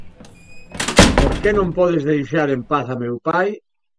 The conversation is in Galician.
Por que non podes deixar en paz a meu pai?